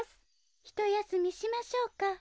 ・ひとやすみしましょうか。